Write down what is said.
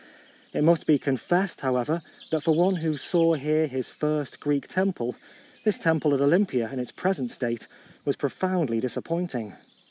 It must be confessed, however, that for one who saw here his first Greek temple, this temple at Olympia in its present state was profoundly disappointing.